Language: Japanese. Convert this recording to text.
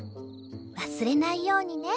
わすれないようにね。